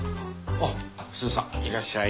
あっスーさんいらっしゃい。